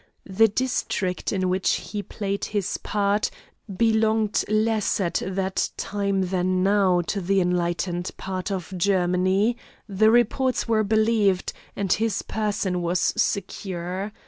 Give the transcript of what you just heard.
The district in which he played his part, belonged less at that time than now to the enlightened part of Germany; the reports were believed, and his person was secure.